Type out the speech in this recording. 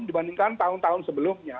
dibandingkan tahun tahun sebelumnya